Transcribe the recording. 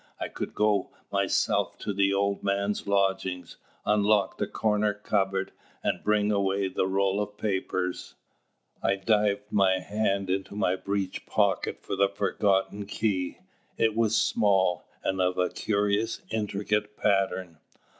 I could go myself to the old man's lodgings, unlock the corner cupboard, and bring away the roll of papers. I dived my hand into my breech pocket for the forgotten key. It was small, and of a curious, intricate pattern.